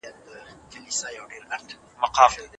هر څوک باید د خیر په کار کې ونډه واخلي.